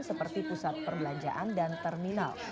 seperti pusat perbelanjaan dan terminal